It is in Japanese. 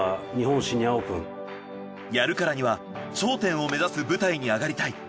やるからには頂点を目指す舞台に上がりたい。